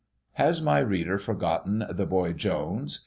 Has my reader forgotten THE BOY JONES?